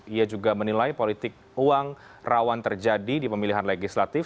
ia juga menilai politik uang rawan terjadi di pemilihan legislatif